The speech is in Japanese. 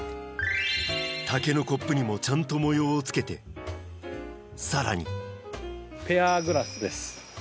竹のコップにもちゃんと模様をつけてさらにグラス？